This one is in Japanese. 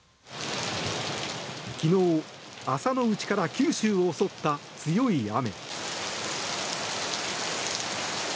昨日、朝のうちから九州を襲った強い雨。